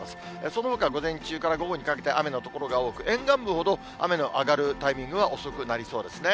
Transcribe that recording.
そのほか、午前中から午後にかけて雨の所が多く、沿岸部ほど雨の上がるタイミングは遅くなりそうですね。